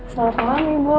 selamat malam ibu